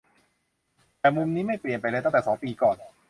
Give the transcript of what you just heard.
แต่มุมนี้ไม่เปลี่ยนไปเลยตั้งแต่สองปีก่อน